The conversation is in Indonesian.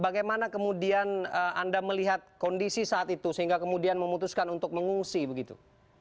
bagaimana kemudian anda melihat kondisi saat itu sehingga kemudian memutuskan untuk mengungsi begitu